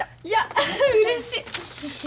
いやうれしい。